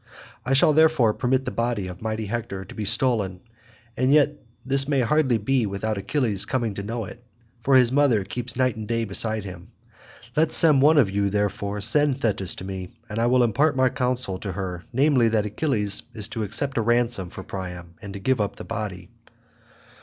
I shall therefore permit the body of mighty Hector to be stolen; and yet this may hardly be without Achilles coming to know it, for his mother keeps night and day beside him. Let some one of you, therefore, send Thetis to me, and I will impart my counsel to her, namely that Achilles is to accept a ransom from Priam, and give up the body."